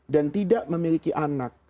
dan tidak memiliki anak